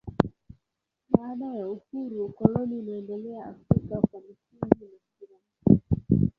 Baada ya uhuru ukoloni unaendelea Afrika kwa misingi na sura mpya.